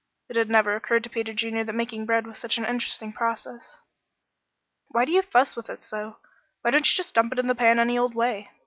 It had never occurred to Peter Junior that bread making was such an interesting process. "Why do you fuss with it so? Why don't you just dump it in the pan any old way?